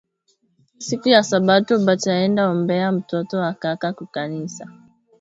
Siku ya sabato bataenda ombea mtoto wa kaka kukanisa